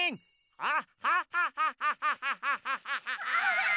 あっ！